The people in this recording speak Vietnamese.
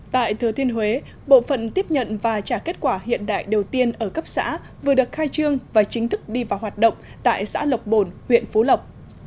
tại thừa thiên huế bộ phận tiếp nhận và trả kết quả hiện đại đầu tiên ở cấp xã vừa được khai trương và chính thức đi vào hoạt động tại xã lộc bồn huyện phú lộc